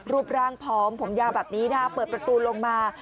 รูปร่างผอมผมยาวแบบนี้นะฮะเปิดประตูลงมา